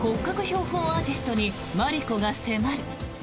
標本アーティストにマリコが迫る。